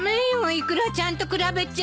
イクラちゃんと比べちゃ。